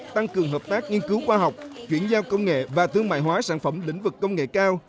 tăng cường hợp tác nghiên cứu khoa học chuyển giao công nghệ và thương mại hóa sản phẩm lĩnh vực công nghệ cao